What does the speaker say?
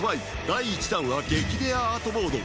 第１弾は激レアアートボード